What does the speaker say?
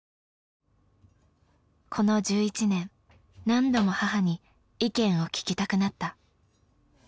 この１１年何度も母に意見を聞きたくなった。